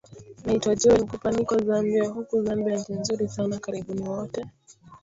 naitwa joel mkupa niko zambia huku zambia nchi nzuri sana karibuni wote